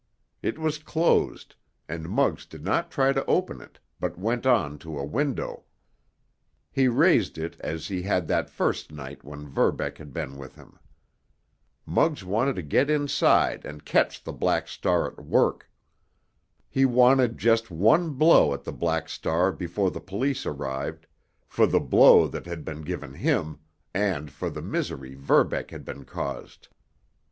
It was closed, and Muggs did not try to open it, but went on to a window. He raised it as he had that first night when Verbeck had been with him. Muggs wanted to get inside and catch the Black Star at work. He wanted just one blow at the Black Star before the police arrived, for the blow that had been given him, and for the misery Verbeck had been caused.